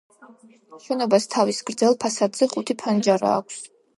შენობას თავის გრძელ ფასადზე ხუთი ფანჯარა აქვს.